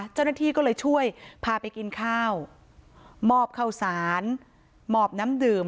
เจ้าหน้าที่ก็เลยช่วยพาไปกินข้าวมอบข้าวสารหมอบน้ำดื่ม